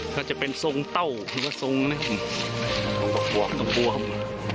ก็จะเป็นทรงเต้าหรือว่าทรงบวกตำบัวครับผม